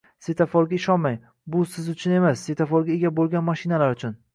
Svetoforga ishonmang, bu siz uchun emas, svetoforga ega bo'lgan mashinalar uchun